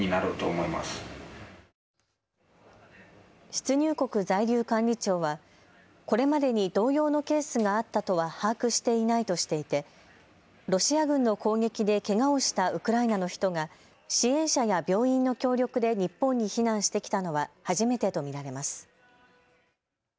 出入国在留管理庁は、これまでに同様のケースがあったとは把握していないとしていてロシア軍の攻撃でけがをしたウクライナの人が支援者や病院の協力で日本に避難してきたのは初めてと見られます。